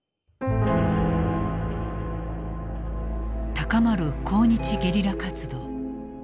高まる抗日ゲリラ活動。